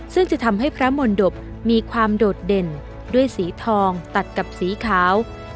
ซึ่งจะทำให้พระมนตบมีความโดดเด่นด้วยสีทองตัดกับสีขาว